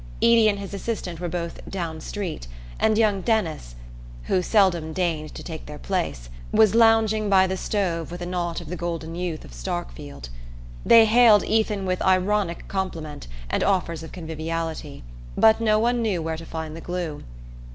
Eady and his assistant were both "down street," and young Denis, who seldom deigned to take their place, was lounging by the stove with a knot of the golden youth of Starkfield. They hailed Ethan with ironic compliment and offers of conviviality; but no one knew where to find the glue.